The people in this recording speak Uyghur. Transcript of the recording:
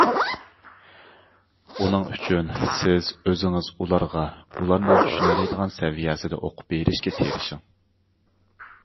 ئۇنىڭ ئۈچۈن سىز ئۆزىڭىز ئۇلارغا ئۇلارنىڭ چۈشىنەلەيدىغان سەۋىيەسىدە ئوقۇپ بېرىشكە تىرىشىڭ.